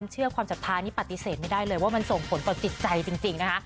เชื่อความศรัทธานี่ปฏิเสธไม่ได้เลยว่ามันส่งผลต่อจิตใจจริงนะคะ